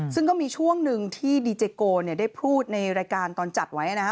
ซึ่งก็มีช่วงหนึ่งที่ดีเจโกเนี่ยได้พูดในรายการตอนจัดไว้นะฮะ